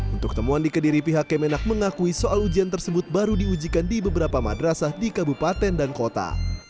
untuk temuan di kediri pihak kemenak mengakui soal ujian tersebut baru diujikan di beberapa madrasah di kabupaten dan kota